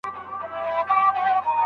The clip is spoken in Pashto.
آیا لمرینه ورځ تر ورېځي ورځي ګرمه وي؟